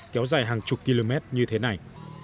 kéo dài hàng chục km như thế này